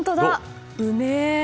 うめえ！